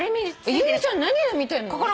由美ちゃん何で見てんの？